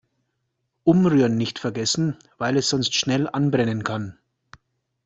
Umrühren nicht vergessen, weil es sonst schnell anbrennen kann.